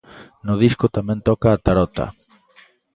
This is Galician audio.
No disco tamén toca a tarota.